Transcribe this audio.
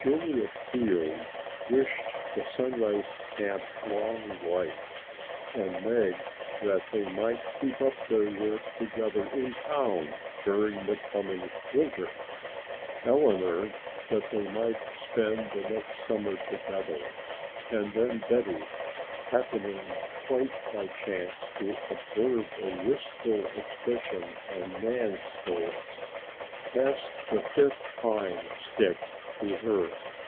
Juliet Field wished the Sunrise Camp long life, and Meg that they might keep up their work together in town during the coming winter, Eleanor that they might spend the next summer together, and then Betty, happening quite by chance to observe a wistful expression on Nan's face, passed the fifth pine stick to her.